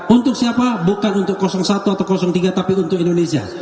untuk siapa bukan untuk satu atau tiga tapi untuk indonesia